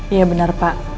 iya benar pak